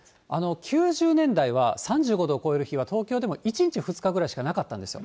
９０年代は３５度を超える日は東京でも１日、２日ぐらいしかなかったんですよ。